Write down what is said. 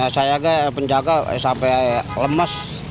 saya penjaga sampai lemes